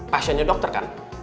pasiennya dokter kan